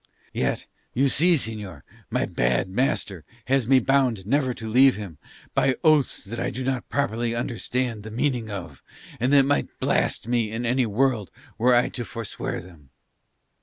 Yet, you see señor, my bad master has me bound never to leave him, by oaths that I do not properly understand the meaning of, and that might blast me in any world were I to forswear them.